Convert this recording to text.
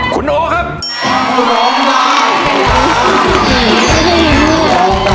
คุณโอครับ